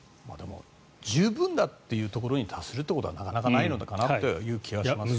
十分だというところに達することはなかなかないのかなという気がしますよね。